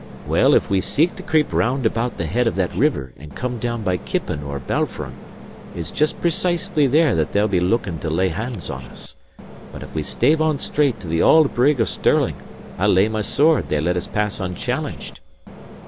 Well, if we seek to creep round about the head of that river and come down by Kippen or Balfron, it's just precisely there that they'll be looking to lay hands on us. But if we stave on straight to the auld Brig of Stirling, I'll lay my sword they let us pass unchallenged."